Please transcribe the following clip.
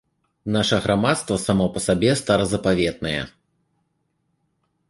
Наша грамадства само па сабе старазапаветнае.